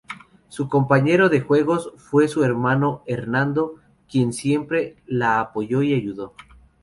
Su compañero de juegos fue su hermano Hernando, quien siempre la apoyó y ayudó.